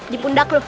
di pundak lu